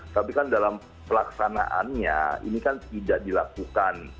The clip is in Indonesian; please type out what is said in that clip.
tapi kan dalam pelaksanaannya ini kan tidak dilakukan